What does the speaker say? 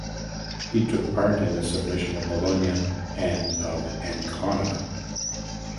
He took part in the submission of Bologna and of Ancona.